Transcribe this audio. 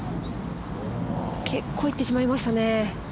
結構行ってしまいましたね。